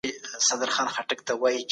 د ورځي په اوږدو کي لږ خوب وکړئ.